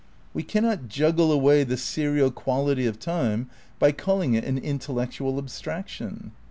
'' We can not juggle away the serial quality of time by calling it an intellectual abstraction.